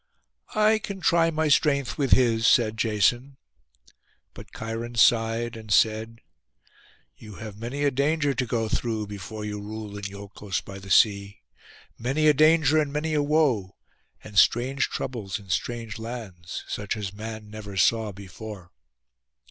'I can try my strength with his,' said Jason; but Cheiron sighed, and said— 'You have many a danger to go through before you rule in Iolcos by the sea: many a danger and many a woe; and strange troubles in strange lands, such as man never saw before.